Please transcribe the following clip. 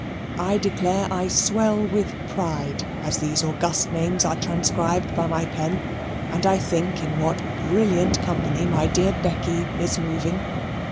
I declare I swell with pride as these august names are transcribed by my pen, and I think in what brilliant company my dear Becky is moving.